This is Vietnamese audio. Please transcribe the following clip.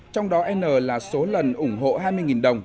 trong đó n là số lần ủng hộ hai mươi đồng